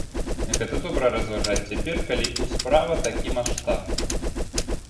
Гэта добра разважаць цяпер, калі ў справа такі маштаб.